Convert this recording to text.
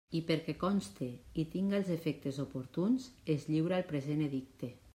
I perquè conste i tinga els efectes oportuns, es lliura el present edicte.